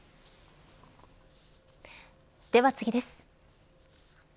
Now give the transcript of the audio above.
では次です。